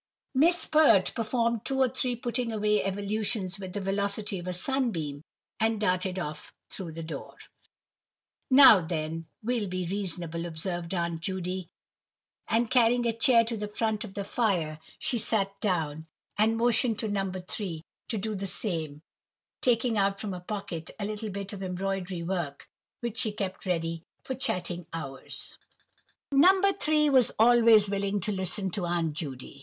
Miss Pert performed two or three putting away evolutions with the velocity of a sunbeam, and darted off through the door. "Now, then, we'll be reasonable," observed Aunt Judy; and carrying a chair to the front of the fire she sat down, and motioned to No. 3 to do the same, taking out from her pocket a little bit of embroidery work, which she kept ready for chatting hours. No. 3 was always willing to listen to Aunt Judy.